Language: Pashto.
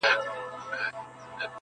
اوس مي نو ومرگ ته انتظار اوسئ